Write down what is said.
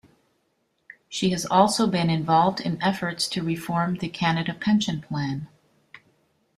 She has also been involved in efforts to reform the Canada Pension Plan.